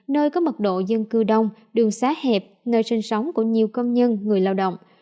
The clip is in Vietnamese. nơi có mật độ dân cư đông đường xá hẹp nơi sinh sống của nhiều công nhân người lao động